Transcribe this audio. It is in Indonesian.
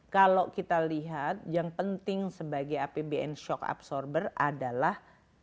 kalau kita lihat yang penting sebagai apbn shock absorber adalah